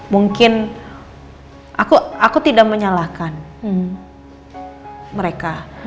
mungkin aku tidak menyalahkan mereka